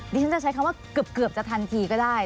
ดิฉันจะใช้คำว่าเกือบจะทันทีก็ได้